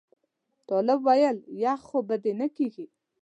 طالب ویل یخ خو به دې نه کېږي.